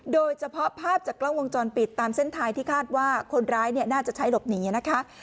โดยเฉพาะภาพจากกล้องวงจรปิดตามเส้นทางที่คาดว่าคนร้ายน่าจะใช้หลบหนีนะคะ